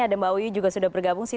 ada mbak wiwi juga sudah bergabung sih